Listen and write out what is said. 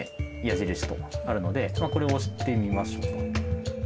矢印」とあるのでこれを押してみましょうか。